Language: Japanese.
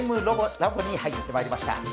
ラボに入ってまいりました。